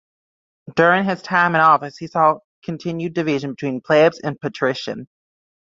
During his time in office he saw continued division between plebs and patrician.